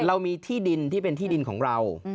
เรามีที่ดินที่เป็นที่ดินของเรา